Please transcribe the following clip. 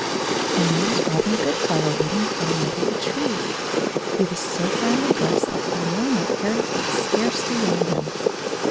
And there was Robin Goodfellow waiting for him under the tree! He was so finely dressed that, for a moment, Fairyfoot scarcely knew him.